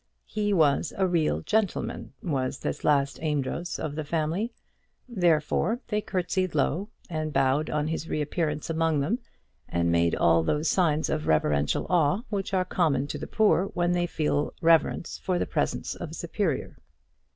He was a real gentleman, was this last Amedroz of the family; therefore they curtsied low, and bowed on his reappearance among them, and made all those signs of reverential awe which are common to the poor when they feel reverence for the presence of a superior.